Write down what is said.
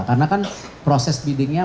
karena kan proses biddingnya